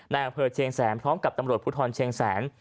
ในอำเภอเชียงแสนพร้อมกับตำรวจภูทรเชียงแสน